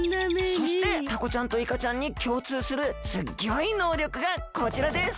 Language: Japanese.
そしてタコちゃんとイカちゃんにきょうつうするすっギョいのうりょくがこちらです！